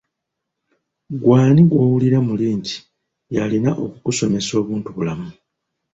Ggwe ani gw'owuli muli nti y’alina okukusomesa obuntubulamu ?